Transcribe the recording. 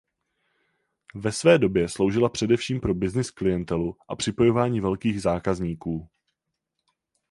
Ve své době sloužila především pro business klientelu a připojování velkých zákazníků.